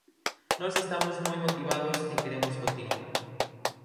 Nós estamos moi motivados e queremos continuar.